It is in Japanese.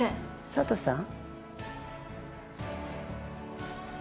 佐都さん。